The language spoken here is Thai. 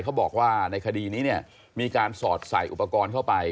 เขาบอกว่าในคดีนี้เนี่ยมีการสอดใส่อุปกรณ์เข้าไป